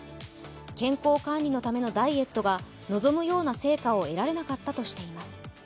健康管理のためのダイエットが望むような成果を得られなかったとしています。